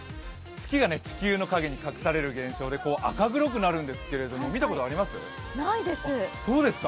月が地球の影に隠される現象で赤黒くなるんですけれども、見たことあります？